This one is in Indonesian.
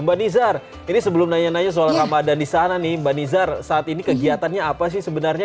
mbak nizar ini sebelum nanya nanya soal ramadan di sana nih mbak nizar saat ini kegiatannya apa sih sebenarnya